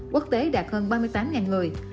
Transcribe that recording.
quốc tế đạt hơn ba mươi tám người